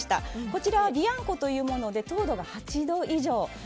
こちらはビアンコというもので糖度が８度以上。